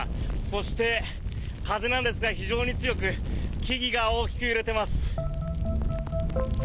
そして、風なんですが非常に強く木々が大きく揺れています。